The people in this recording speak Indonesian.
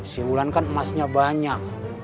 si wulan kan emasnya banyak